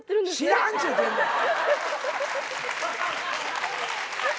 知らんっちゅうてんねん。